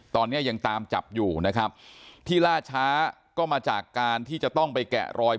ตอนนี้ยังตามจับอยู่นะครับที่ล่าช้าก็มาจากการที่จะต้องไปแกะรอย